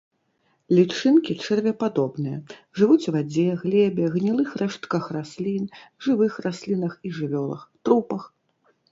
Лічынкі чэрвепадобныя, жывуць у вадзе, глебе, гнілых рэштках раслін, жывых раслінах і жывёлах, трупах.